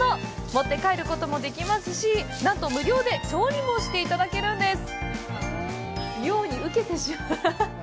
持って帰ることもできますしなんと無料で調理もしていただけるんです。